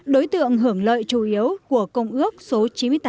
đối tượng hưởng lợi chủ yếu của công ước là tổ chức lao động quốc tế